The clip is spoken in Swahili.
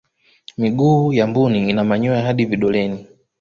miguu ya mbuni ina manyoya hadi vidoleni